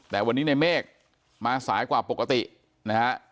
แต่วันนี้ในเมฆมาสายกว่าปกตินะฮะ